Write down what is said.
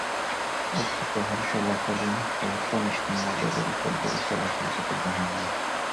একটি টহল চলাকালীন, পাকিস্তানি সৈন্যদের রেলপথ ধরে চলাচল করতে দেখা গিয়েছিল।